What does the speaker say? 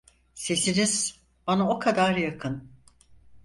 Sesiniz, bana o kadar yakın…